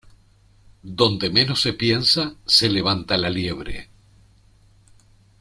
Donde menos se piensa, se levanta la liebre.